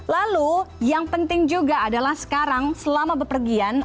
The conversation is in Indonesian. lalu yang penting juga adalah sekarang selama berpergian